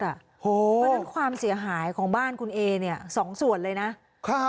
เพราะฉะนั้นความเสียหายของบ้านคุณเอเนี่ย๒ส่วนเลยนะ